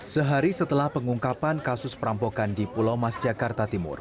sehari setelah pengungkapan kasus perampokan di pulau mas jakarta timur